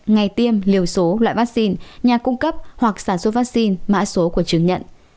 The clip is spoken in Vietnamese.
ngày tiêm liều số loại vaccine nhà cung cấp hoặc sản xuất vaccine mã số của chứng nhận